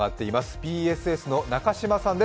ＢＳＳの中島さんです。